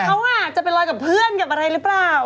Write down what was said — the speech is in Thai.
เขาจะไปลอยกับเพื่อนกับอะไรหรือเปล่า